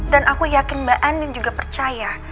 dan aku yakin mba andin juga percaya